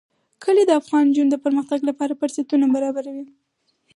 کلي د افغان نجونو د پرمختګ لپاره فرصتونه برابروي.